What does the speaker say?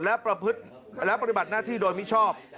และประพฤติและปฏิบัติหน้าที่โดยมิชอบ